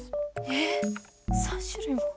えっ３種類も？